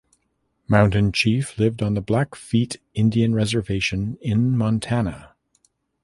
Mountain Chief lived on the Blackfeet Indian Reservation in Montana.